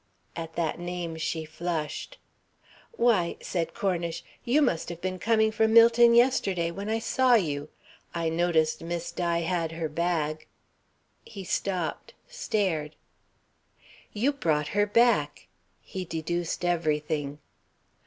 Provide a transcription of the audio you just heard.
At that name she flushed. "Why," said Cornish, "you must have been coming from Millton yesterday when I saw you. I noticed Miss Di had her bag " He stopped, stared. "You brought her back!" he deduced everything.